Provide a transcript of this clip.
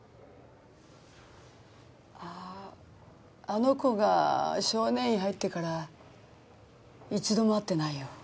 あああの子が少年院入ってから一度も会ってないよ